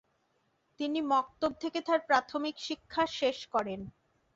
তিনি মক্তব থেকে তার প্রাথমিক শিক্ষা শেষ করেন।